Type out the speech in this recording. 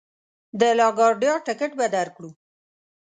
د لا ګارډیا ټکټ به درکړو.